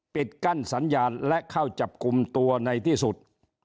ปิดกั้นสัญญาณและเข้าจับกลุ่มตัวในที่สุด